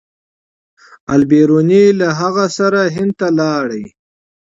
البیروني له هغه سره هند ته لاړ.